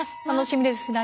楽しみです。